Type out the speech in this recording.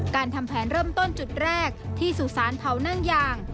การทำแผนเริ่มต้นจุดแรกที่สุสานเผานั่งยาง